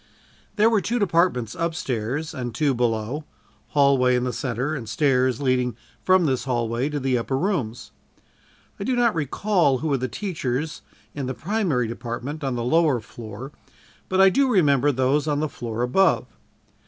There were two departments up stairs and two below hallway in the center and stairs leading from this hallway to the upper rooms. I do not recall who were the teachers in the primary department on the lower floor, but I do remember those on the floor above.